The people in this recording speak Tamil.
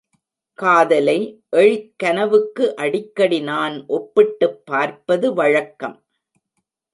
காதலை எழிற்கனவுக்கு அடிக்கடி நான் ஒப்பிட்டுப் பார்ப்பது வழக்கம்.